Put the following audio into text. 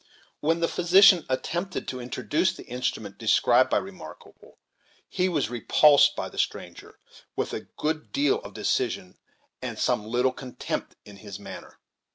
When the physician attempted to introduce the instrument described by Remarkable, he was repulsed by the stranger, with a good deal of decision, and some little contempt, in his manner.